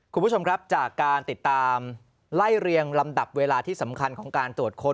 คุณผู้ชมครับจากการติดตามไล่เรียงลำดับเวลาที่สำคัญของการตรวจค้น